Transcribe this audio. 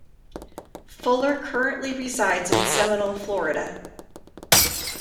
Fuller currently resides in Seminole, Florida.